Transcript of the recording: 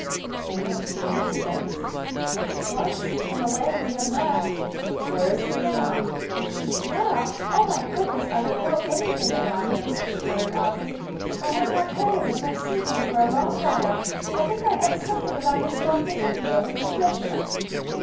"You have seen him since?" "Once in a way we have met." "Where is he now?" "Now! Oh, my goodness, I don't know anything about him now," muttered Afy. "I have not heard of him or seen him for a long while. I think I heard something about his going to India with his regiment."